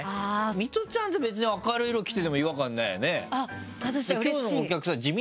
ミトちゃんって別に明るい色着てても違和感ないよね。